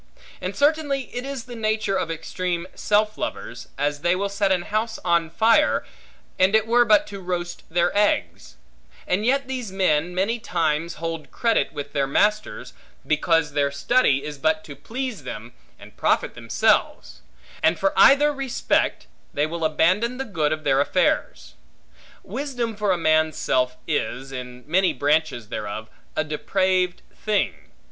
And certainly it is the nature of extreme self lovers, as they will set an house on fire, and it were but to roast their eggs; and yet these men many times hold credit with their masters, because their study is but to please them, and profit themselves; and for either respect, they will abandon the good of their affairs. Wisdom for a man's self is, in many branches thereof, a depraved thing.